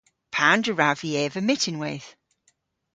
Pandr'a wrav vy eva myttinweyth?